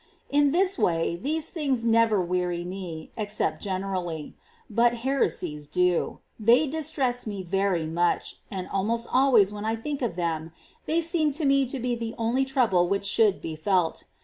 In this way these things never weary me, except generally : but heresies do ; they distress me very often, and almost always when I think of them they seem to me to be the only trouble which should be felt.